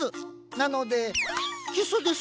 なのでキスです！